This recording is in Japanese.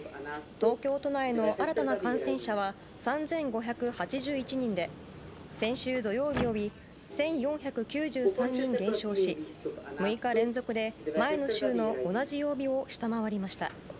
東京都内の新たな感染者は３５８１人で先週土曜日より１４９３人減少し６日連続で前の週の同じ曜日を下回りました。